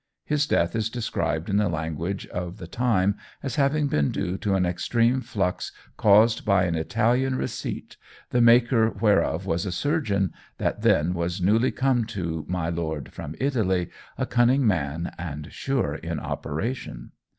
His death is described in the language of the time as having been due to "an extreme flux caused by an Italian Receit, the maker whereof was a surgeon that then was newly come to my Lord from Italy, a cunning man and sure in operation.